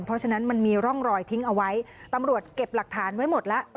เพราะฉะนั้นมันมีร่องรอยทิ้งเอาไว้ตำรวจเก็บหลักฐานไว้หมดแล้ว